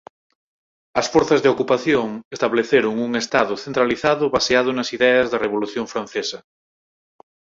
As forzas de ocupación estableceron un estado centralizado baseado nas ideas da Revolución francesa.